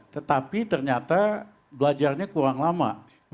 tetapi ternyata belajarnya kurang lama